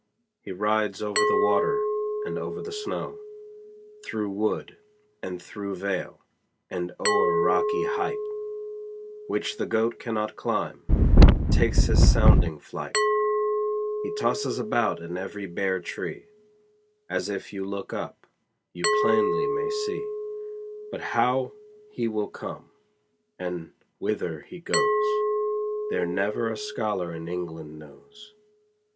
He rides over the water, and over the snow, Through wood, and through vale; and o'er rocky height, Which the goat cannot climb, takes his sounding flight; He tosses about in every bare tree, As if you look up, you plainly may see; But how he will come, and whither he goes, There never a scholar in England knows.